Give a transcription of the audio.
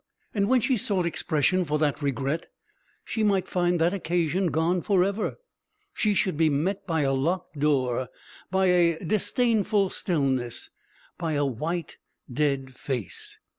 And when she sought expression for that regret, she would find that occasion gone forever, she should be met by a locked door, by a disdainful stillness, by a white dead face.